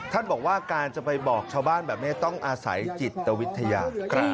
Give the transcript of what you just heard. ท่านบอกว่าการจะไปบอกชาวบ้านแบบนี้ต้องอาศัยจิตวิทยา